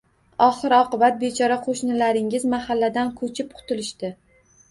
Oxir-oqibat bechora qoʻshnilaringiz mahalladan koʻchib qutulishdi.